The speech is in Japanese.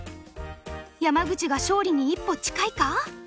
山口が勝利に一歩近いか？